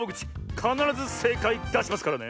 かならずせいかいだしますからね。